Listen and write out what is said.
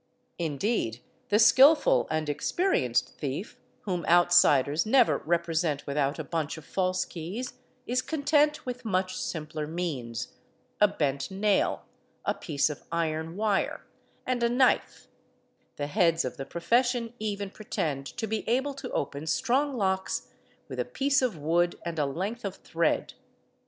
Indeed the skilful and experienced thief, whom outsiders never represent without a bunch of false keys, is content _ with much simpler means: a bent nail, a piece of iron wire, and a knife; _the heads of the profession even pretend to be able to open strong locks with a piece of wood and a length of thread.